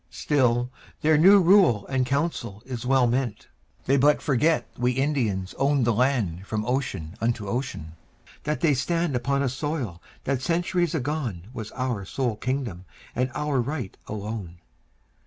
Still their new rule and council is well meant. They but forget we Indians owned the land From ocean unto ocean; that they stand Upon a soil that centuries agone Was our sole kingdom and our right alone.